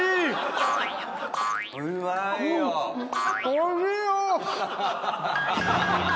おいしいよ！